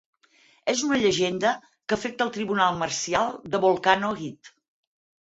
És una llegenda que afecta el tribunal marcial de Volcano High.